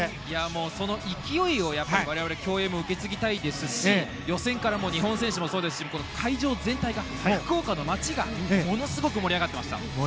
その勢いを我々競泳も引き継ぎたいですし予選から日本選手もそうですし会場全体が福岡の街がものすごく盛り上がってました。